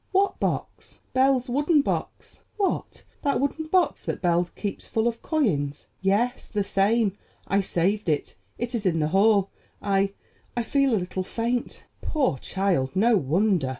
What box?" "Belle's wooden box." "What! that wooden box that Belle keeps full of coins?" "Yes, the same. I saved it; it is in the hall. I—I feel a little faint." "Poor child, no wonder!